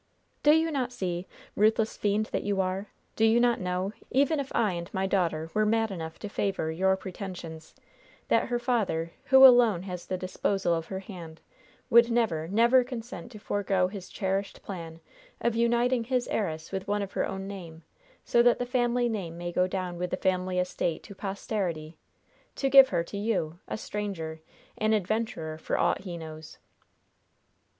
"Do you not see ruthless fiend that you are! do you not know, even if I and my daughter were mad enough to favor your pretensions, that her father, who alone has the disposal of her hand, would never, never consent to forego his cherished plan of uniting his heiress with one of her own name, so that the family name may go down with the family estate to posterity to give her to you, a stranger, an adventurer for aught he knows?"